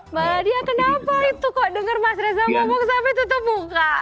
mbak nadia kenapa itu kok denger mas reza ngomong sampai tutup muka